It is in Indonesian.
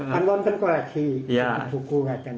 kan waktu koleksi buku